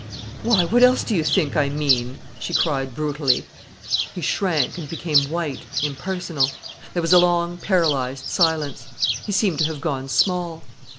"Why, what else do you think I mean?" she cried brutally. He shrank, and became white, impersonal. There was a long, paralysed silence. He seemed to have gone small.